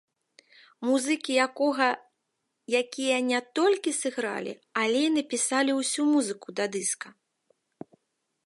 Музыкі якога якія не толькі сыгралі але і напісалі ўсю музыку да дыска.